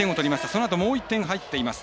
そのあともう１点取っています。